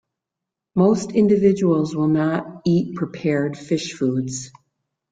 Most individuals will not eat prepared fish foods.